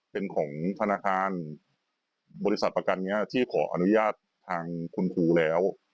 เป็นของธนาคารบริษัทประกันนี้ที่ขออนุญาตทางคุณครูแล้ว